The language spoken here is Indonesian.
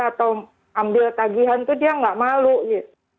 atau ambil tagihan tuh dia gak malu gitu